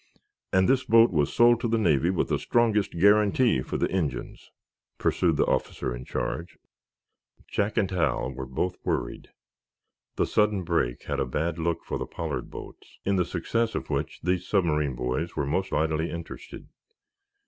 "And this boat was sold to the Navy with the strongest guarantee for the engines," pursued the officer in charge. Jack and Hal were both worried. The sudden break had a bad look for the Pollard boats, in the success of which these submarine boys were most vitally interested.